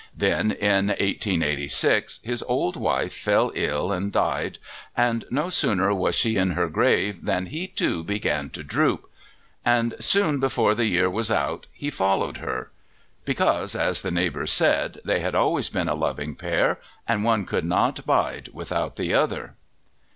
Then, in 1886, his old wife fell ill and died, and no sooner was she in her grave than he, too, began to droop; and soon, before the year was out, he followed her, because, as the neighbours said, they had always been a loving pair and one could not 'bide without the other.